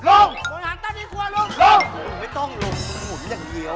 เหมือนว่าพูดอย่างเดียว